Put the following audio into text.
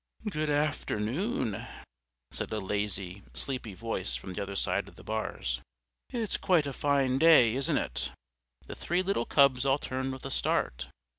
"Good afternoon," said a lazy, sleepy voice from the other side of the bars. "It's quite a fine day, isn't it?" The three little Cubs all turned with a start.